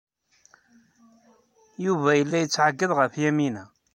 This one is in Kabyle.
Yuba yella yettɛeggiḍ ɣef Yamina.